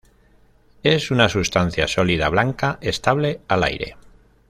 Es una sustancia sólida blanca, estable al aire.